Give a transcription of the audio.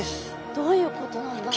どういうことなんだろう？